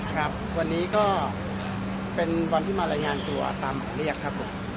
ครับวันนี้ก็เป็นวันที่มารายงานตัวตามหมายเรียกครับผม